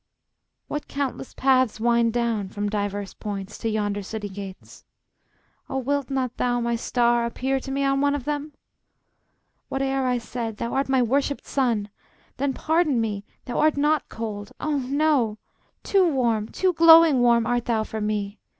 ] What countless paths wind down, from divers points, To yonder city gates! Oh, wilt not thou, My star, appear to me on one of them? Whate'er I said, thou art my worshiped sun. Then pardon me; thou art not cold; oh, no! Too warm, too glowing warm, art thou for me.